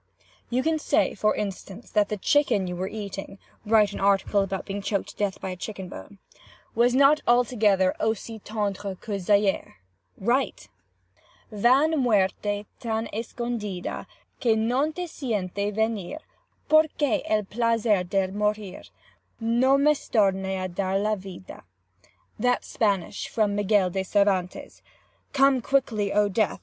You can say, for instance, that the chicken you were eating (write an article about being choked to death by a chicken bone) was not altogether aussi tendre que Zaire. Write! 'Van muerte tan escondida, Que no te sienta venir, Porque el plazer del morir, No mestorne a dar la vida.' "That's Spanish—from Miguel de Cervantes. 'Come quickly, O death!